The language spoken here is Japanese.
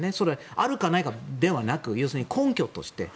あるかないかではなく根拠として。